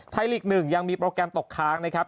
ไทยลิก๑ยังมีโปรแกนตกค้างครับ